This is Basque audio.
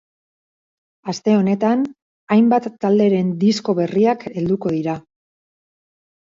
Aste honetan hainbat talderen disko berriak helduko dira.